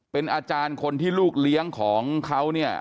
เป็นอาจารย์คนที่ลูกเลี้ยงของเขาเนี่ย